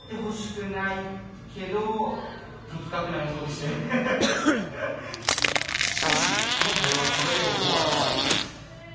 しかもしかし、今回はこれで終わらない。